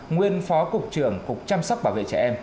nguyên phó cục trưởng cục chăm sóc bảo vệ trẻ em